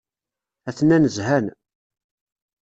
Atnan zhan.